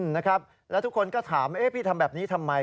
นะครับแล้วทุกคนก็ถามพี่ทำแบบนี้ทำไม